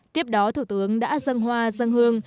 tiếp đó thủ tướng đã dâng hoa dâng hương